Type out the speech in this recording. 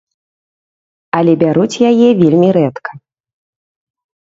Але бяруць яе вельмі рэдка.